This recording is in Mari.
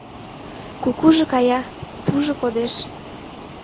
Кукужо кая — пужо кодеш.